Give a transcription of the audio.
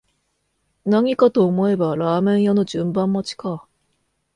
何かと思えばラーメン屋の順番待ちか